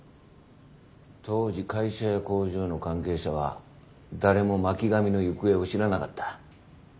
当時会社や工場の関係者は誰も巻上の行方を知らなかった。